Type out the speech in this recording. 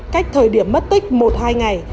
cách thời điểm mất tích một hai ngày